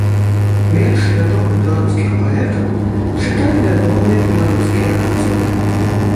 Вершы вядомых беларускіх паэтаў чыталі вядомыя беларускія акцёры.